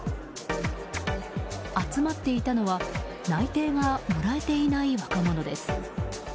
集まっていたのは内定がもらえていない若者です。